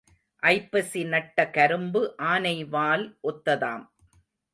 ஐப்பசி நட்ட கரும்பு ஆனை வால் ஒத்ததாம்.